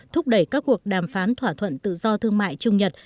thúc đẩy các cuộc đàm phán thỏa thuận tự do thương mại trung nhật